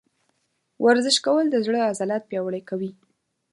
ورزش کول د زړه عضلات پیاوړي کوي.